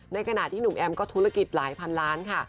ในขณะที่หนุ่มแอมก็ธุรกิจหลายพันล้านค่ะ